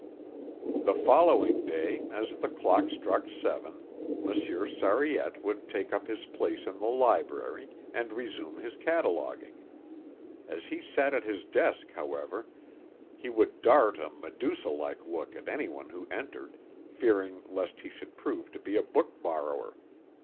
The following day, as the clock struck seven, Monsieur Sariette would take up his place in the library, and resume his cataloguing. As he sat at his desk, however, he would dart a Medusa like look at anyone who entered, fearing lest he should prove to be a book borrower.